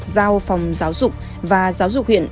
trong giáo dục và giáo dục huyện